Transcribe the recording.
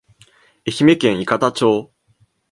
愛媛県伊方町